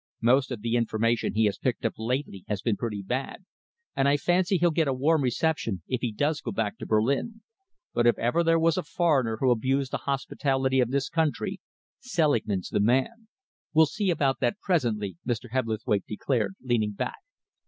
Most of the information he has picked up lately has been pretty bad, and I fancy he'll get a warm reception if he does get back to Berlin, but if ever there was a foreigner who abused the hospitality of this country, Selingman's the man." "We'll see about that presently," Mr. Hebblethwaite declared, leaning back.